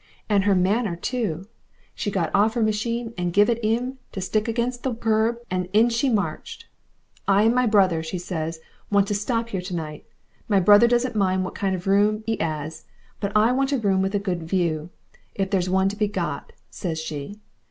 "And her manner too! She got off her machine and give it 'im to stick up against the kerb, and in she marched. 'I and my brother,' says she, 'want to stop here to night. My brother doesn't mind what kind of room 'e 'as, but I want a room with a good view, if there's one to be got,' says she.